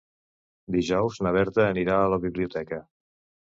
Dijous na Berta anirà a la biblioteca.